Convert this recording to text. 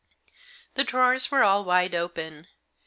The drawers were all wide open.